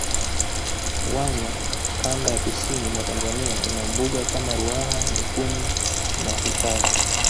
wanya kanda ya kusini mwa Tanzania ina Mbuga kama Ruaha Mikumi na hifadhi